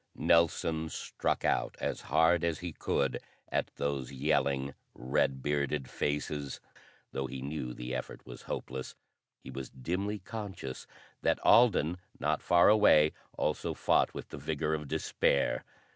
Nelson struck out as hard as he could at those yelling, red bearded faces, though he knew the effort was hopeless. He was dimly conscious that Alden, not far away, also fought with the vigor of despair.